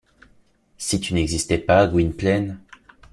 Si tu n’existais pas, Gwynplaine...